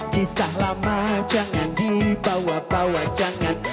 kisah lama jangan dibawa bawa jangan